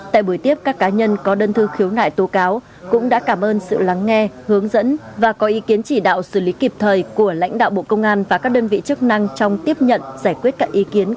tại buổi tiếp các cá nhân có đơn thư khiếu nại tố cáo cũng đã cảm ơn sự lắng nghe hướng dẫn và có ý kiến chỉ đạo xử lý kịp thời của lãnh đạo bộ công an và các đơn vị chức năng trong tiếp nhận giải quyết các ý kiến